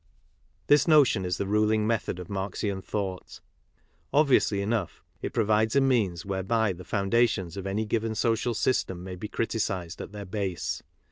This notion is the ruling method of Marxian thought. Obviously enough, it provides a means whereby the foundations of any given social system may be criticized at their base.